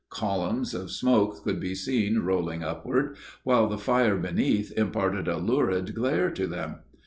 Columns of smoke could be seen rolling upward, while the fire beneath imparted a lurid glare to them.